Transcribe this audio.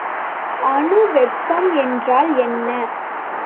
அணு வெப்பம் என்றால் என்ன?